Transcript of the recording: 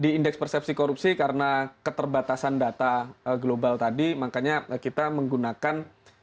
di indeks persepsi korupsi karena keterbatasan data global tadi makanya kita menggunakan